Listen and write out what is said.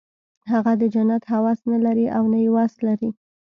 هغه د جنت هوس نه لري او نه یې وس لري